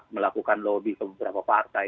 melakukan lobby ke beberapa partai